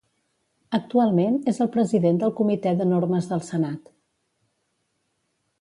Actualment és el president del Comitè de Normes del Senat.